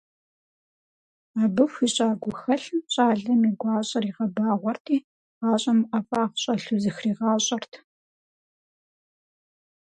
Абы хуищӏа гухэлъым щӏалэм и гуащӏэр игъэбагъуэрти, гъащӏэм ӏэфӏагъ щӏэлъу зыхригъащӏэрт.